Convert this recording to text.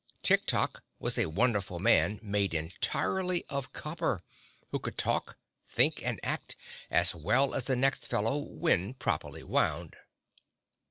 Tik Tok was a wonderful man made entirely of copper, who could talk, think and act as well as the next fellow when properly wound.